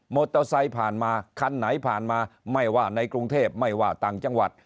เตอร์ไซค์ผ่านมาคันไหนผ่านมาไม่ว่าในกรุงเทพไม่ว่าต่างจังหวัด